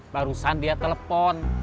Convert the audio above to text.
barusan dia telepon